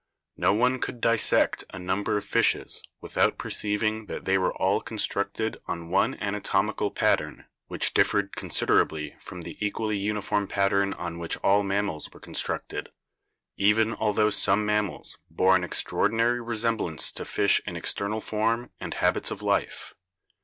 No one could dissect a number of fishes without perceiving that they were all constructed on one anatomical pattern which differed considerably from the equally uniform pattern on which all mammals were constructed, even altho some mammals bore an ex traordinary resemblance to fish in external form and habits of life.